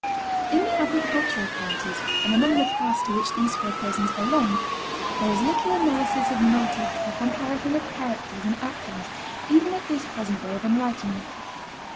In the agricultural counties, and among the class to which these four persons belonged, there is little analysis of motive or comparison of characters and actions, even at this present day of enlightenment.